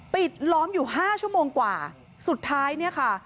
ปิดล้อมอยู่ห้าชั่วโมงกว่าสุดท้ายเนี่ยค่ะ